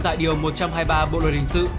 tại điều một trăm hai mươi ba bộ luật hình sự